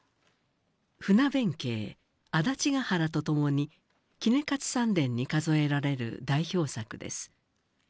「船弁慶」「安達ヶ原」と共に杵勝三傳に数えられる代表作です。